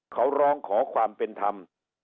เขาร้องขอความเป็นธรรม